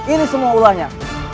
ini semua ulahnya